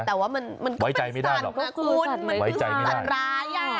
ใช่แต่ว่ามันก็เป็นสันมันก็เป็นสันร้าย